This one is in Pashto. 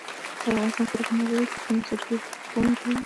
افغانستان تر هغو نه ابادیږي، ترڅو نساجي بیرته په پښو ونه دریږي.